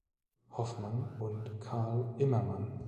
Hoffmann und Karl Immermann.